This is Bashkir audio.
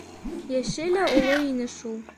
Йәше лә оло ине шул...